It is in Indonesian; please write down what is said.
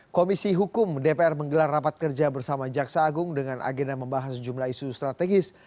komisi hukum dpr menggelar rapat kerja bersama jaksa agung dengan agenda membahas sejumlah isu strategis